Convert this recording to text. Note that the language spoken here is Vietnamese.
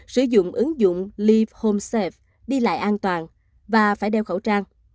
sử dụng ứng dụng leave home safe đi lại an toàn và phải đeo khẩu trang